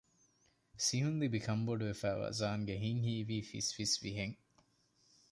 ސިހުންލިބި ކަންބޮޑުވެފައިވާ ޒާންގެ ހިތް ހީވީ ފިސްފިސްވިހެން